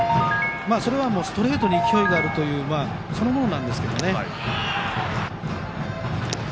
それはストレートに勢いがあるというそのものなんですがね。